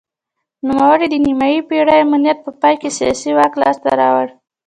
نوموړي د نیمايي پېړۍ امنیت په پای کې سیاسي واک لاسته راوړ.